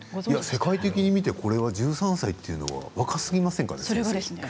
世界的に見て１３歳というのは若すぎませんか。